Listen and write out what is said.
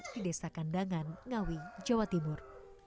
di desa kandangan ngawi jawa timur